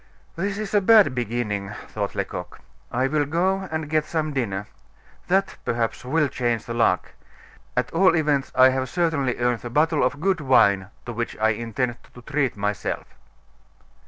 "This is a bad beginning," thought Lecoq. "I will go and get some dinner that, perhaps, will change the luck; at all events, I have certainly earned the bottle of good wine to which I intend to treat myself."